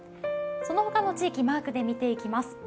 そのほかの地域、マークで見ていきます。